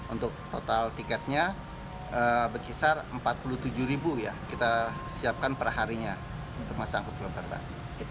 untuk total tiketnya berkisar rp empat puluh tujuh kita siapkan perharinya untuk masa angkutan lebaran